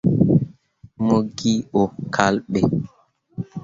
Mo ge o yo kal ɓe.